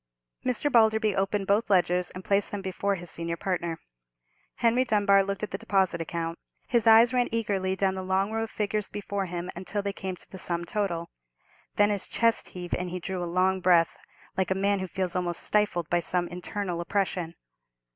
Mr. Balderby opened both ledgers, and placed them before his senior partner. Henry Dunbar looked at the deposit account. His eyes ran eagerly down the long row of figures before him until they came to the sum total. Then his chest heaved, and he drew a long breath, like a man who feels almost stifled by some internal oppression.